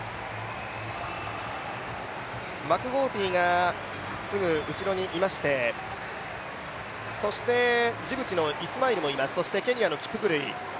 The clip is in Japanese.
マクゴーティーがすぐ後ろにいまして、そしてジブチのイスマイルもいます、ケニアのキプクルイ。